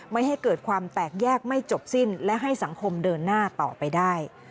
ไม่ให้เกิดความแตกแยกไม่จบสิ้นและให้สังคมเดินหน้าต่อไปได้